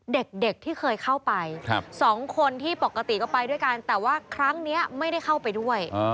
เด็กที่เคยเข้าไปสองคนที่ปกติก็ไปด้วยกันแต่ว่าครั้งนี้ไม่ได้เข้าไปด้วย